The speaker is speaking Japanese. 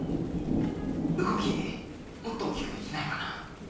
動きもっと大っきくできないかな？